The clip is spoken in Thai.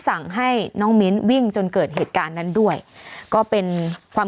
สั่งให้น้องมิ้นวิ่งจนเกิดเหตุการณ์นั้นด้วยก็เป็นความ